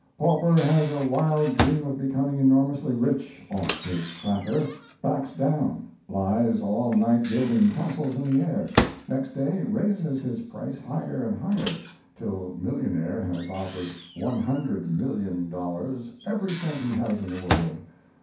Pauper has a wild dream of becoming enormously rich off his cracker; backs down; lies all night building castles in the air; next day raises his price higher and higher, till millionaire has offered $100,000,000, every cent he has in the world.